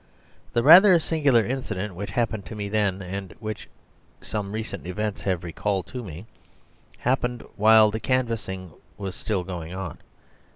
The rather singular incident which happened to me then, and which some recent events have recalled to me, happened while the canvassing was still going on.